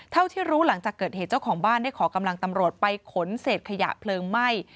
เท่าที่รู้หลังจากเกิดเหตุเจ้าของบ้านได้ขอกำลังตำรวจไปขนเศษขยะเพลิงไหม้